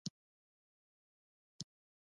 مور یې بې سواده وه خو فلسفي خبرې یې کولې